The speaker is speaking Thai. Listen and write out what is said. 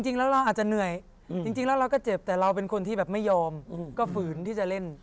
จริงแล้วเราอาจจะเหนื่อยจริงแล้วเราก็เจ็บแต่เราเป็นคนที่แบบไม่ยอมก็ฝืนที่จะเล่น